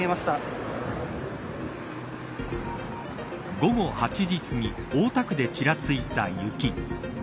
午後８時すぎ大田区で、ちらついた雪。